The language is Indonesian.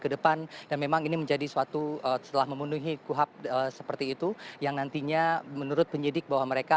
ke depan dan memang ini menjadi suatu setelah memenuhi kuhap seperti itu yang nantinya menurut penyidik bahwa mereka